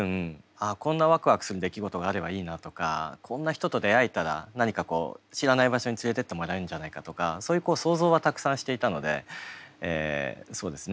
あこんなワクワクする出来事があればいいなとかこんな人と出会えたら何かこう知らない場所に連れてってもらえるんじゃないかとかそういう想像はたくさんしていたのでそうですね